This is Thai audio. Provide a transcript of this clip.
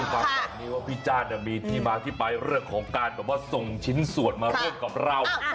ผมจะเล่ายังคิดว่ามีที่มาที่ไปกับเรื่องของการส่งชิ้นสวดมานั่งกับเรา